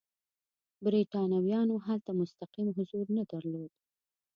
برېټانویانو هلته مستقیم حضور نه درلود.